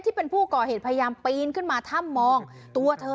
ที่เป็นผู้ก่อเหตุพยายามปีนขึ้นมาถ้ำมองตัวเธอ